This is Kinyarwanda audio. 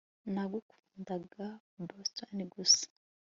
nakundaga boston gusa